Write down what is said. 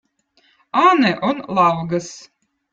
anõ on lavgöz